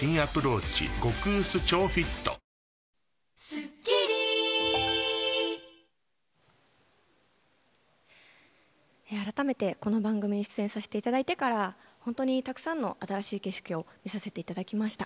スポーツ選手はこの歌を入場改めて、この番組に出演させていただいてから本当に沢山の新しい景色を見させていただきました。